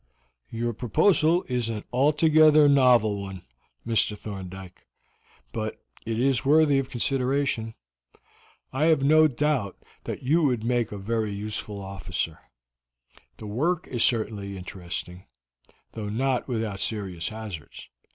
"Your proposal is an altogether novel one, Mr. Thorndyke, but it is worthy of consideration. I have no doubt that you would make a very useful officer; the work is certainly interesting, though not without serious hazards.